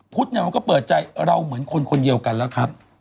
พุทธก็เปิดใจว่าเราเหมือนคนเดียวกันแล้วครับ